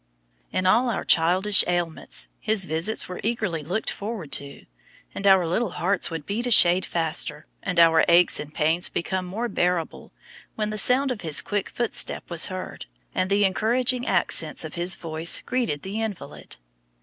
In all our childish ailments his visits were eagerly looked forward to; and our little hearts would beat a shade faster, and our aches and pains become more bearable, when the sound of his quick footstep was heard, and the encouraging accents of his voice greeted the invalid.